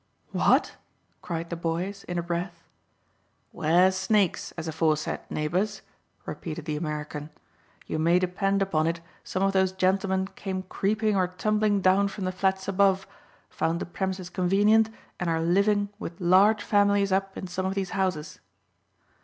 "What!" cried the boys, in a breath. "'Ware snakes, as aforesaid, neighbours," repeated the American. "You may depend upon it some of those gentlemen came creeping or tumbling down from the flats above, found the premises convenient, and are living with large families up in some of these houses."